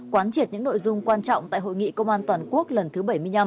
quán triệt những nội dung quan trọng tại hội nghị công an toàn quốc lần thứ bảy mươi năm